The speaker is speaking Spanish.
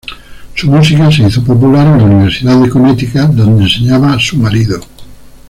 Su música se hizo popular en la Universidad de Connecticut, donde enseñaba su marido.